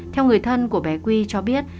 theo người thân của bé quy cho biết